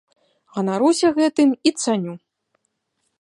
Ганаруся гэтым і цаню.